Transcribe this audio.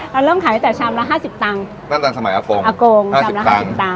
เราเริ่มขายแต่ชามละ๕๐ตังค์นั่นตั้งสมัยอากง๕๐ตังค์